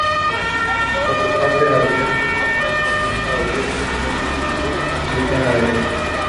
Por su parte, las biopsias con aguja gruesa o biopsias "core" facilitan la detección.